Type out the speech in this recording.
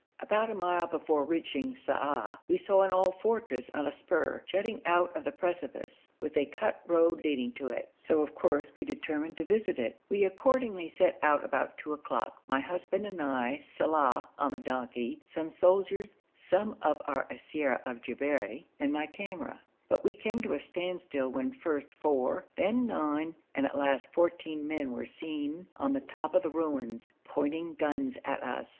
About a mile before reaching Sa'ah we saw an old fortress on a spur jutting out of the precipice, with a cut road leading to it, so of course we determined to visit it. We accordingly set out about two o'clock, my husband and I, Saleh on the donkey, some soldiers, some of our siyara of Jabberi, and my camera. But we came to a standstill when first four, then nine, and at last fourteen men were seen on the top of the ruins, pointing guns at us.